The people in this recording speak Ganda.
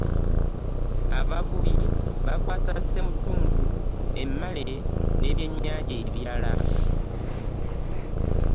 Abavubi bakwasa ssemutundu ,emmale ne byennyanja ebirala.